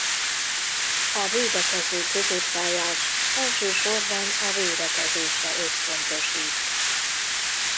A védekező középpályás elsősorban a védekezésre összpontosít.